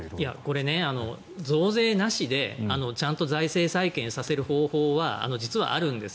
これ、増税なしでちゃんと財政再建させる方法は実はあるんです。